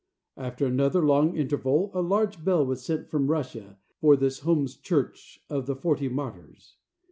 After another long interval a large bell was sent from Russia for this Homs Church of the Forty Martyrs.